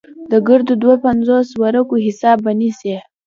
د ګردو دوه پينځوس ورقو حساب به نيسې.